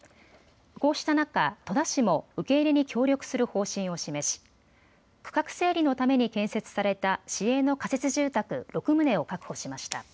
こうした中、戸田市も受け入れに協力する方針を示し区画整理のために建設された市営の仮設住宅６棟を確保しました。